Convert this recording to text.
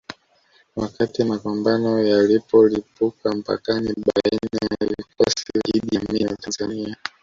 Wakati mapambano yalipolipuka mpakani baina ya vikosi vya Idi Amini na Tanzania